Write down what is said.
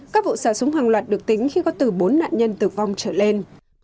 các vụ xả súng hàng loạt được tính khi có từ bốn nạn nhân tử vong trở lên